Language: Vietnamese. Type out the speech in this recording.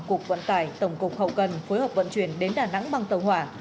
cục vận tải tổng cục hậu cần phối hợp vận chuyển đến đà nẵng bằng tàu hỏa